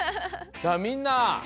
さあみんな！